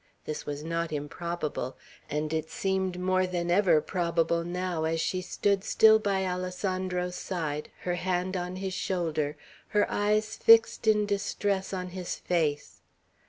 This was not improbable; and it seemed more than ever probable now, as she stood still by Alessandro's side, her hand on his shoulder, her eyes fixed in distress on his face.